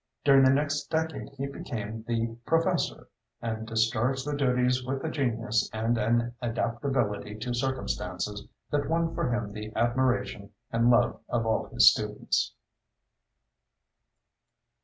During the next decade he became the "professor," and discharged the duties with a genius and an adaptability to circumstances that won for him the admiration and love of all his students.